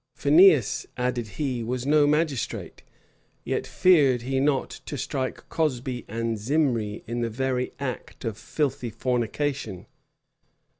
Phineas," added he, "was no magistrate; yet feared he not to strike Cosbi and Zimri in the very act of filthy fornication.